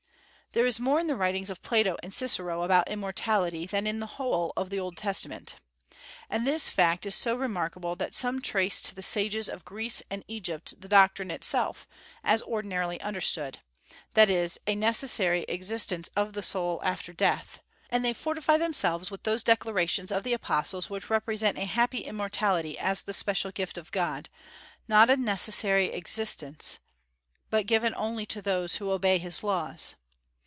There is more in the writings of Plato and Cicero about immortality than in the whole of the Old Testament, And this fact is so remarkable, that some trace to the sages of Greece and Egypt the doctrine itself, as ordinarily understood; that is, a necessary existence of the soul after death. And they fortify themselves with those declarations of the apostles which represent a happy immortality as the special gift of God, not a necessary existence, but given only to those who obey his laws.